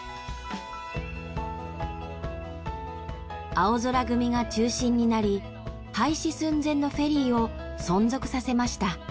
あおぞら組が中心になり廃止寸前のフェリーを存続させました。